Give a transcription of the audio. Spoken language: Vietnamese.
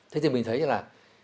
thế thì mình thấy là